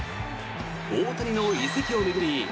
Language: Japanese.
大谷の移籍を巡り